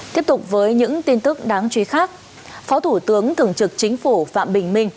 tiếp tục với những tin tức đáng chú ý khác phó thủ tướng thường trực chính phủ phạm bình minh